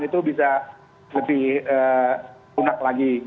itu bisa lebih lunak lagi